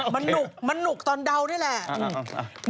มันหนุกมันหนุกตอนเดานี่แหละ